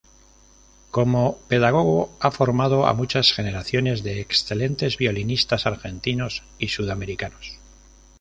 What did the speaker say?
Como pedagogo ha formado a muchas generaciones de excelentes violinistas argentinos y sudamericanos.